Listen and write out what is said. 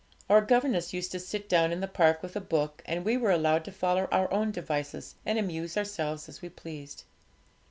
Our governess used to sit down in the park with a book, and we were allowed to follow our own devices, and amuse ourselves as we pleased.